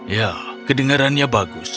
ya kedengerannya bagus